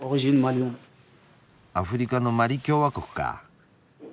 アフリカのマリ共和国かあ。